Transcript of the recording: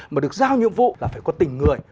mà được giao nhiệm vụ là phải có tình người